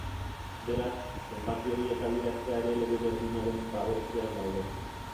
Beraz, zenbaki horiek adieraztea ere lege berdinaren babespean daude.